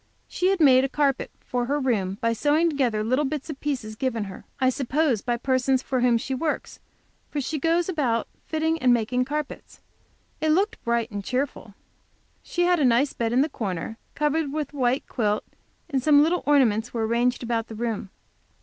She had made a carpet for her room by sewing together little bits of pieces given her, I suppose, by persons for whom she works, for she goes about fitting and making carpets. It looked bright and cheerful. She had a nice bed in the corner, covered with a white quilt, and some little ornaments were arranged about the room.